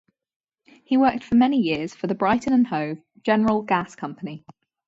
He worked for many years for the Brighton and Hove General Gas Company.